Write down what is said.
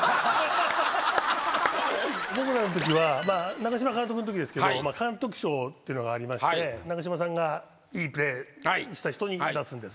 僕らのときは長嶋監督のときですけど監督賞ってのがありまして長嶋さんがいいプレーした人に出すんです。